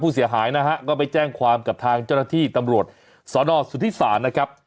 เสียหายนะฮะก็ไปแจ้งความกับทางเจ้าหน้าที่ตำรวจสนสุธิศาลนะครับ